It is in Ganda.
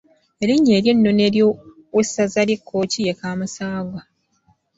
Erinnya ery’ennono ery’owessaza ly’e Kkooki ye Kaamuswaga.